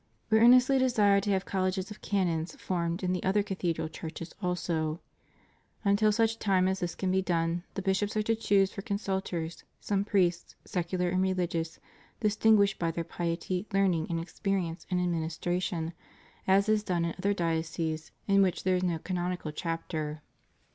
Wb earnestly desire to have colleges of canons formed in the other cathedral churches also. Until such time as this can be done, the bishops are to choose for consultors some priests, secular and relig ious, distinguished by their piety, learning, and experience in administration, as is done in other dioceses in which there is no canonical chapter.